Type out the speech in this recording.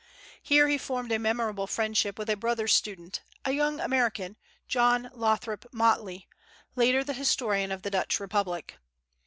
Here he formed a memorable friendship with a brother student, a young American, John Lothrop Motley, later the historian of the Dutch Republic.